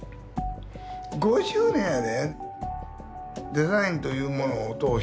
５０年やで。